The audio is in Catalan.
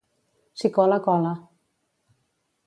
Si cola, cola.